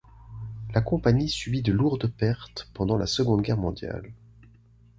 La compagnie subit de lourdes pertes pendant la Seconde guerre mondiale.